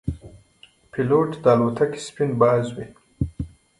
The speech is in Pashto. پیلوټ د الوتکې سپین باز وي.